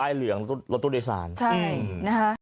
ป้ายเหลืองรถตู้ดีซานใช่นะครับ